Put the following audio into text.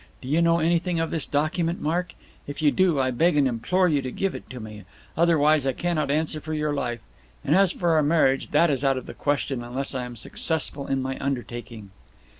Do you know anything of this document, Mark? If you do, I beg and implore you to give it to me. Otherwise I cannot answer for your life; and, as for our marriage, that is out of the question unless I am successful in my undertaking."